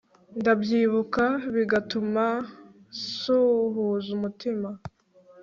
ndabyibuka, bigatuma nsuhuza umutima